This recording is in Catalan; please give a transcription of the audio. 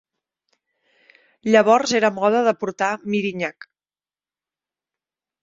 Llavors era moda de portar mirinyac.